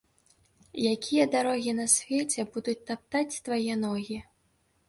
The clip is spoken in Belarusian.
Якія дарогі на свеце будуць таптаць твае ногі?